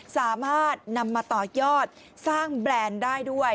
สามารถนำมาต่อยอดสร้างแบรนด์ได้ด้วย